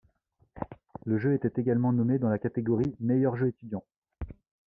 Le jeu était également nommé dans la catégorie Meilleur jeu étudiant.